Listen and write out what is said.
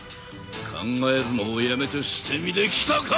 考えるのをやめて捨て身で来たか！